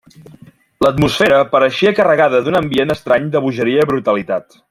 L'atmosfera pareixia carregada d'un ambient estrany de bogeria i brutalitat.